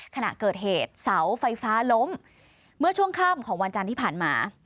ขณะเกิดเหตุเสาไฟฟ้าล้มเมื่อช่วงค่ำของวันจันทร์ที่ผ่านมา